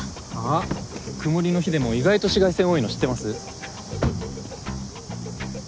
あっ曇りの日でも意外と紫外線多いの知ってます？